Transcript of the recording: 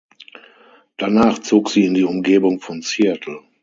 Danach zog sie in die Umgebung von Seattle.